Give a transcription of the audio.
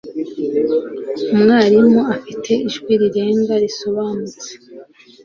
Umwarimu afite ijwi rirenga, risobanutse.